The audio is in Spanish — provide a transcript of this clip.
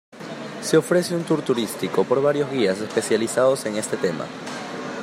Se ofrece un tour turístico por varios guías especializados en ese tema.